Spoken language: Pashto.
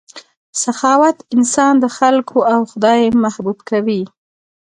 سخاوت انسان د خلکو او خدای محبوب کوي.